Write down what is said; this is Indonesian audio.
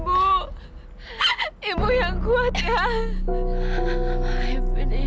oh aku mengerti akbar nolak